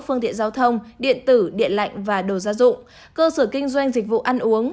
phương tiện giao thông điện tử điện lạnh và đồ gia dụng cơ sở kinh doanh dịch vụ ăn uống